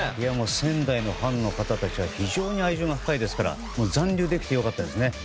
仙台のファンの方たちは非常に愛情が深いですから残留できて良かったですね。